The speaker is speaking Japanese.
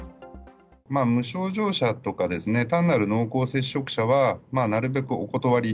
無症状者とか、単なる濃厚接触者は、なるべくお断り。